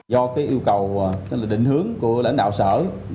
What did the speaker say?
do yêu cầu định hướng của lãnh đạo